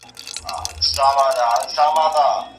نیوکلاسیک پوهان پر مهارتونو تکیه کوي.